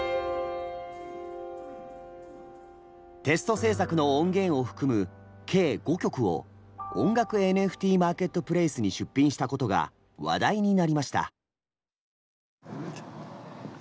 テスト制作の音源を含む計５曲を音楽ＮＦＴマーケットプレイスに出品したことが話題になりました。